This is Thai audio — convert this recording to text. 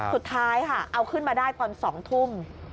สุดท้ายค่ะเอาขึ้นมาได้ตอน๒ทุ่ม